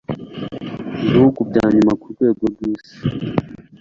Ibihugu bya nyuma ku rwego rw Isi